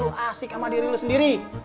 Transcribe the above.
lo asik sama diri lu sendiri